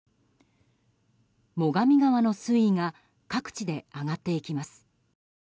最上川の水位が各地で上がっていきます。